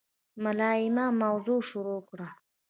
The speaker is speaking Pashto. ملا امام موعظه شروع کړه.